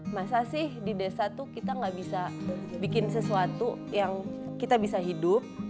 masa sih di desa tuh kita gak bisa bikin sesuatu yang kita bisa hidup